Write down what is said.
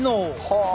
はあ！